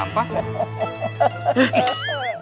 nggak usah nanya